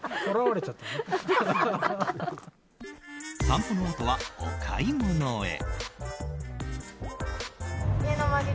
散歩のあとは、お買い物へ。